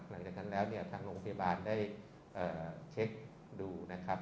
หลังจากนั้นแล้วเนี่ยทางโรงพยาบาลได้เช็คดูนะครับ